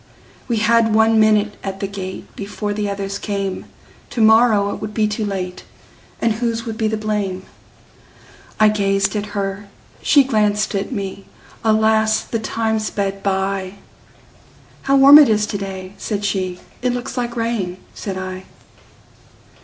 We had one minute at the gate, Before the others came; To morrow it would be too late, And whose would be the blame!I gazed at her, she glanced at me; Alas! the time sped by:"How warm it is to day!" said she;"It looks like rain," said I.